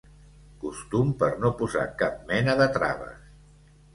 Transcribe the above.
Costum per no posar cap mena de traves.